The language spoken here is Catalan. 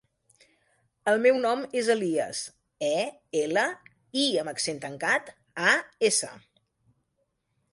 El meu nom és Elías: e, ela, i amb accent tancat, a, essa.